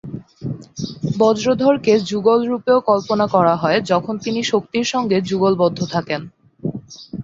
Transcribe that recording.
বজ্রধরকে যুগলরূপেও কল্পনা করা হয়, যখন তিনি শক্তির সঙ্গে যুগলবদ্ধ থাকেন।